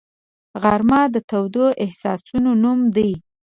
غرمه د تودو احساسونو نوم دی